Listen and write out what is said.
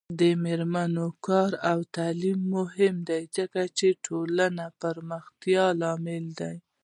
د میرمنو کار او تعلیم مهم دی ځکه چې ټولنې پراختیا لامل دی.